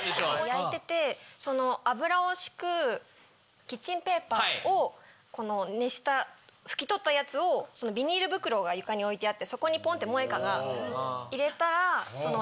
焼いてて油を引くキッチンペーパーを熱した拭き取ったやつをビニール袋が床に置いてあってそこにポンってモエカが入れたら。